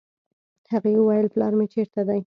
هغې وويل پلار مې چېرته دی.